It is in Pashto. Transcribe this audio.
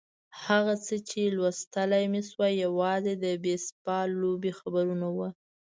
هغه څه چې لوستلای مې شوای یوازې د بېسبال لوبې خبرونه وو.